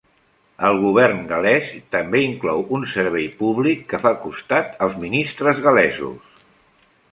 El govern gal·lès també inclou un servei públic que fa costat als ministres gal·lesos.